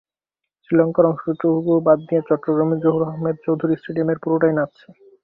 শ্রীলঙ্কান অংশটুকু বাদ দিয়ে চট্টগ্রামের জহুর আহমেদ চৌধুরী স্টেডিয়ামের পুরোটাই নাচছে।